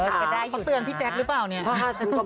เขาเตือนพี่แจ๊คหรือเปล่าเนี่ย